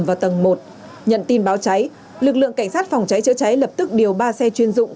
vào tầng một nhận tin báo cháy lực lượng cảnh sát phòng cháy chữa cháy lập tức điều ba xe chuyên dụng